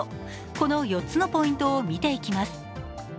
この４つのポイントを見ていきます。